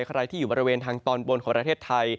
ใครที่อยู่บริเวณทางตอนบนของประเทศไทย